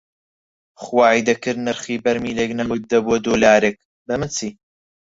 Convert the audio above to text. خوای دەکرد نرخی بەرمیلێک نەوت دەبووە دۆلارێک، بەمن چی